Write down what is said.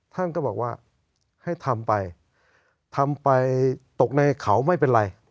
ท่านก็บอกว่าให้ทำไปทำไปตกในเขาไม่เป็นไร